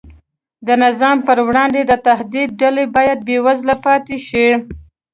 د نظام پر وړاندې د تهدید ډله باید بېوزله پاتې شي.